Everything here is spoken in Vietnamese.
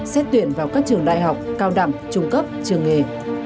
xét tuyển vào các trường đại học cao đẳng trung cấp trường nghề